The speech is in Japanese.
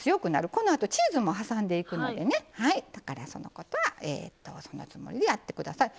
このあとチーズも挟んでいくのでそのつもりでやってください。